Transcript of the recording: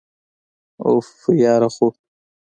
أف، یره خو!!